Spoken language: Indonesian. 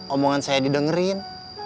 omongan saya didengerin